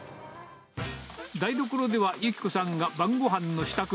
台所では由希子さんが晩ごはんのしたく。